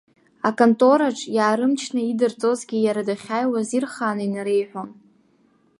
Аконтораҿы иаарымчны идырҵозгьы, иара дахьааиуаз, ирхааны инареиҳәон.